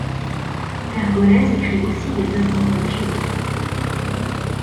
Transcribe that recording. Pergolèse écrit aussi des œuvres religieuses.